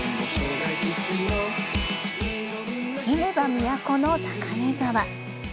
「住めば都の高根沢」